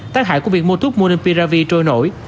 tác hại của việc mua thuốc monopiravir trôi nổi